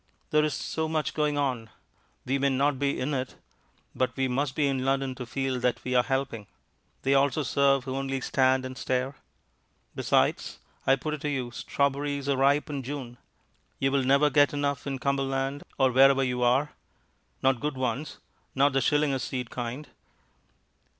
There is so much going on. We may not be in it, but we must be in London to feel that we are helping. They also serve who only stand and stare. Besides I put it to you strawberries are ripe in June. You will never get enough in Cumberland or wherever you are. Not good ones; not the shilling a seed kind.